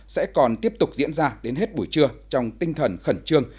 sẽ còn tiếp tục diễn ra đến hết buổi trưa trong tinh thần khẩn trương